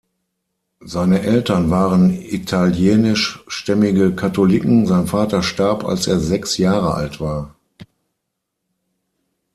Seine Eltern waren italienischstämmige Katholiken; sein Vater starb, als er sechs Jahre alt war.